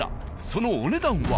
そのお値段は？